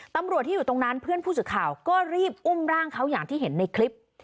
ตำรวจที่อยู่ตรงนั้นเพื่อนผู้สื่อข่าวก็รีบอุ้มร่างเขาอย่างที่เห็นในคลิป